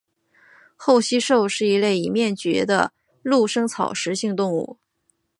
厚膝兽是一类已灭绝的陆生草食性动物。